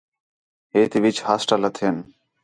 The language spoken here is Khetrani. ہے تی وِچ ہاسٹل ہتھین